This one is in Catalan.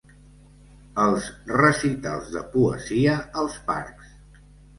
Els recitals de Poesia als parcs.